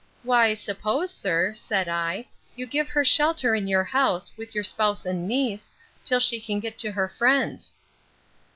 Why suppose, sir, said I, you give her shelter in your house, with your spouse and niece, till she can get to her friends.